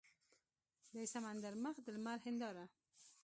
د سمندر مخ د لمر هینداره